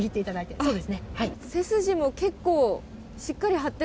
そうですね。